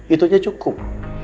itu aja cukup